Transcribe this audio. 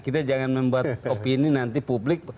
kita jangan membuat opini nanti publik